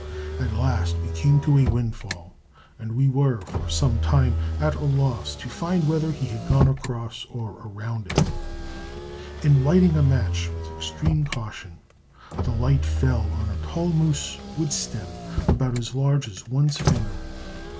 At last we came to a windfall, and we were for some time at a loss to find whether he had gone across or around it. In lighting a match with extreme caution, the light fell on a tall moose wood stem about as large as one's finger.